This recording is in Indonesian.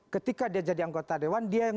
ketika dia jadi anggota dewan dia yang